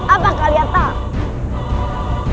apa kalian tahu